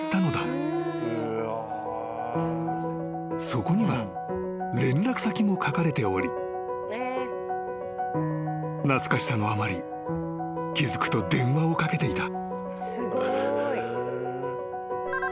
［そこには連絡先も書かれており懐かしさのあまり気付くと電話をかけていた］